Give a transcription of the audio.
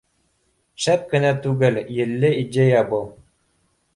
Шәп кенә түгел, елле идея был